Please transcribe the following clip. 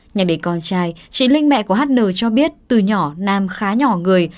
nhạc đến con trai chị linh mẹ của hát nờ cho biết từ nhỏ nam khá nhỏ người